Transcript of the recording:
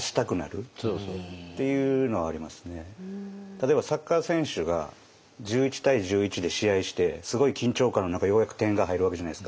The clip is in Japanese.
例えばサッカー選手が１１対１１で試合してすごい緊張感の中ようやく点が入るわけじゃないですか。